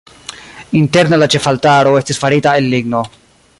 Interne la ĉefaltaro estis farita el ligno.